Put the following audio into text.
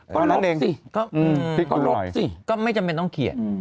ก็ลบสิก็ลบสิก็ไม่จำเป็นต้องเขียน